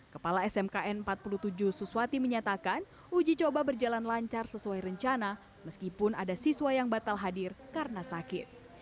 kepala smkn empat puluh tujuh suswati menyatakan uji coba berjalan lancar sesuai rencana meskipun ada siswa yang batal hadir karena sakit